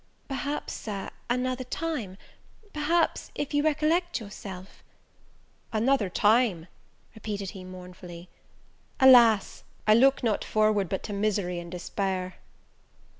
"Perhaps, Sir, another time, perhaps if you recollect yourself " "Another time?" repeated he mournfully; "alas! I look not forward but to misery and despair!"